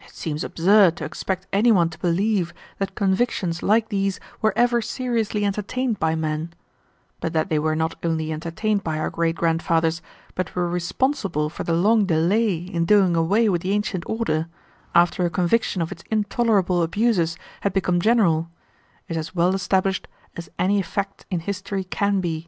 It seems absurd to expect any one to believe that convictions like these were ever seriously entertained by men; but that they were not only entertained by our great grandfathers, but were responsible for the long delay in doing away with the ancient order, after a conviction of its intolerable abuses had become general, is as well established as any fact in history can be.